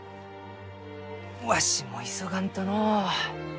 わしも急がんとのう。